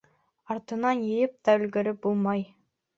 Артынан йыйып та өлгөрөп булмай.